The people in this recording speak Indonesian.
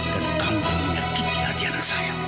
dan kamu yang menyakiti hati anak saya